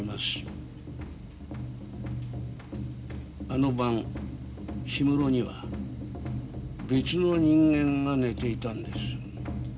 あの晩氷室には別の人間が寝ていたんです。